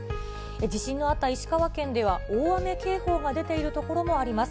地震のあった石川県では、大雨警報が出ている所もあります。